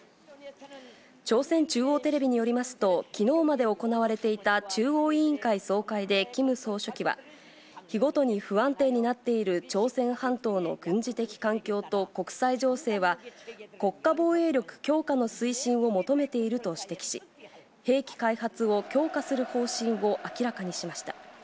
朝鮮中央テレビによりますと、きのうまで行われていた中央委員会総会でキム総書記は、日ごとに不安定になっている朝鮮半島の軍事的環境と国際情勢は、国家防衛力強化の推進を求めていると指摘し、兵器開発を強化する方針を明らかにしました。